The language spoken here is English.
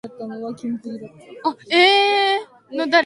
Her father opened his eyes and she met his father and lived happily.